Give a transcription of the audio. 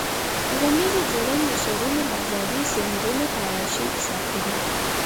غمیزو د ځوړندو سرونو بازاري ضمیرونه په عیاشۍ کې ساتلي.